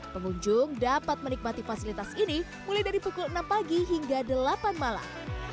pengunjung dapat menikmati fasilitas ini mulai dari pukul enam pagi hingga delapan malam